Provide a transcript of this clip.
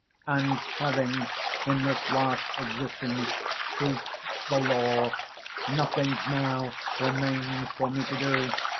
"And having, in this last existence, preached the law, nothing now remains for me to do.